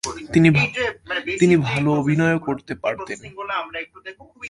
তিনি ভালো অভিনয়ও করতে পারতেন।